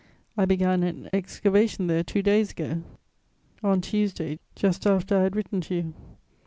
I began an excavation there two days ago, on Tuesday, just after I had written to you.